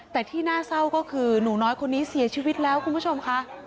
แต่ที่น่าเศร้าก็คือหนูน้อยคนนี้เสียชีวิตแล้วคุณผู้ชมค่ะ